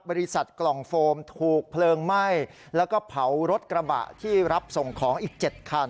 บริษัทกล่องโฟมถูกเพลิงไหม้แล้วก็เผารถกระบะที่รับส่งของอีก๗คัน